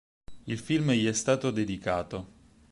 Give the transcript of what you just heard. Il film gli è stato dedicato.